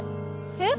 えっ？